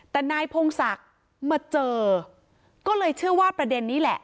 แต่นายพงศักดิ์มาเจอก็เลยเชื่อว่าประเด็นนี้แหละ